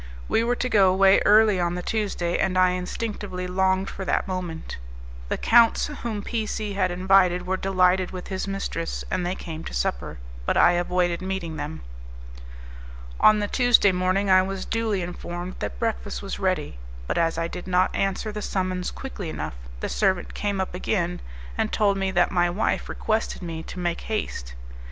We were to go away early on the Tuesday, and I instinctively longed for that moment. The counts whom P C had invited were delighted with his mistress, and they came to supper; but I avoided meeting them. On the Tuesday morning I was duly informed that breakfast was ready, but as I did not answer the summons quickly enough the servant came up again, and told me that my wife requested me to make haste.